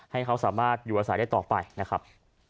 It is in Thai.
ให้เขาสามารถอยู่อาศัยได้ต่อไปนะครับ